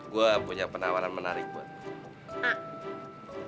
gue punya penawaran menarik buat gue